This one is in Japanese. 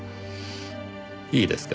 いいですか？